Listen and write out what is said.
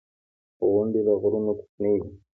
• غونډۍ له غرونو کوچنۍ وي.